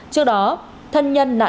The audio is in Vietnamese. trước đó thân nhân nạn